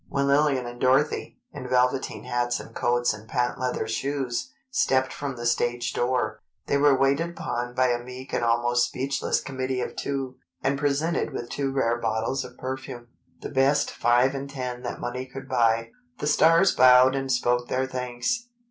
When Lillian and Dorothy, in velveteen hats and coats and patent leather shoes, stepped from the stage door, they were waited upon by a meek and almost speechless committee of two and presented with two rare bottles of perfume, the best "five and ten" that money could buy. The stars bowed and spoke their thanks.